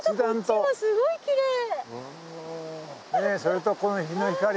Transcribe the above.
こっちもすごいきれい！